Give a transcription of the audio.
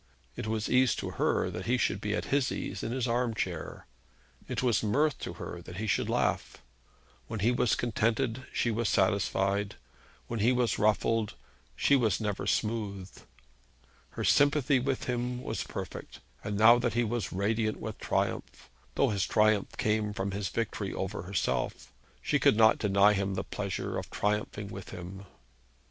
It was ease to her, that he should be at his ease in his arm chair. It was mirth to her, that he should laugh. When he was contented she was satisfied. When he was ruffled she was never smooth. Her sympathy with him was perfect; and now that he was radiant with triumph, though his triumph came from his victory over herself, she could not deny him the pleasure of triumphing with him.